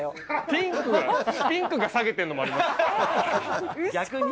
ピンクが下げてるのもありま逆に？